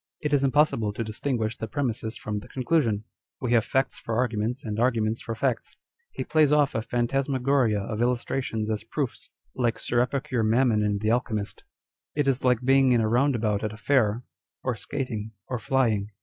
It is impossible to distinguish the premises from the conclusion. We have facts for arguments, and arguments for facts. He plays off a phantasmagoria of illustrations as proofs, like Sir Epicure Mammon in the Alchemist. It is like being in a roundabout at a fair, or skating, or flying.